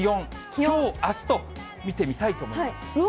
きょう、あすと、見てみたいと思います。